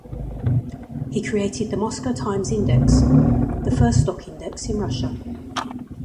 He created the Moscow Times Index, the first stock index in Russia.